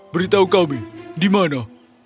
beritahu kami di mana